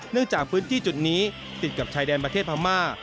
จากพื้นที่จุดนี้ติดกับชายแดนประเทศพม่า